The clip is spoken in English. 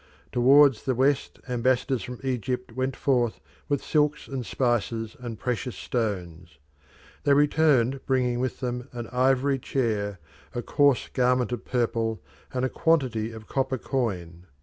Towards the West, ambassadors from Egypt went forth with silks and spices and precious stones. They returned bringing with them an ivory chair, a coarse garment of purple, and a quantity of copper coin.